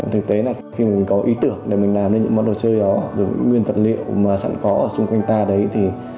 thực tế là khi mình có ý tưởng để mình làm nên những món đồ chơi đó rồi những nguyên vật liệu mà sẵn có ở xung quanh ta đấy thì